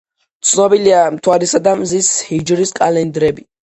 ცნობილია მთვარისა და მზის ჰიჯრის კალენდრები.